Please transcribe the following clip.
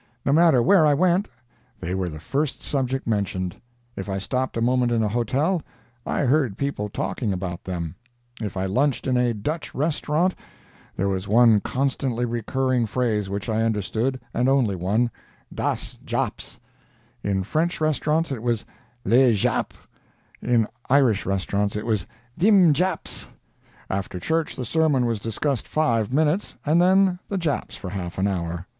No matter where I went, they were the first subject mentioned; if I stopped a moment in a hotel, I heard people talking about them; if I lunched in a Dutch restaurant, there was one constantly recurring phrase which I understood, and only one, "das Japs;" in French restaurants, it was "les Japs;" in Irish restaurants, it was "thim Japs;" after church the sermon was discussed five minutes, and then the Japs for half an hour.